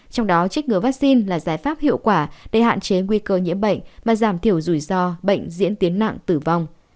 trong đó chích ngừa vaccine là giải pháp hiệu quả để hạn chế nguy cơ nhiễm bệnh và giảm thiểu rủi ro bệnh diễn tiến nặng tử vong